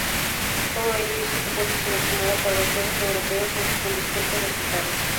Todo ello hizo que fuese seleccionada para los Juegos Europeos aunque con discretos resultados.